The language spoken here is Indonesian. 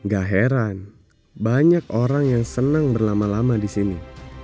gak heran banyak orang yang senang berlama lama di sini